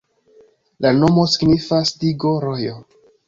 La nomo signifas digo-rojo.